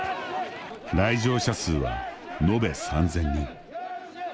来場者数は、のべ３０００人。